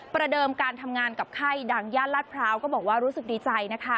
เดิมการทำงานกับค่ายดังย่านลาดพร้าวก็บอกว่ารู้สึกดีใจนะคะ